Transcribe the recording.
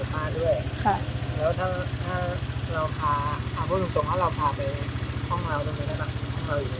อ๋อหอบฟาด้วย